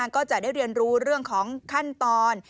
ก็จะได้เรียนรู้เรื่องของขั้นตอน